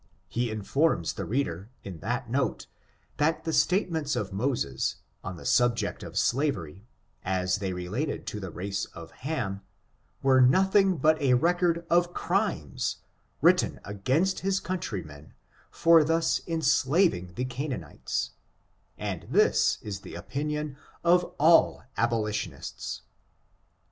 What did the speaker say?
He informs the reader, in that note, that the statements of Moses, on the subject of slavery, as they related to the race of Hafn, were nothing but a record of crimes, written against his countrymen for thus enslaving the Canaan ites — and this is the opinion of all abolitionists.